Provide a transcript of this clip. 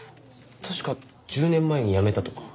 確か１０年前に辞めたとか。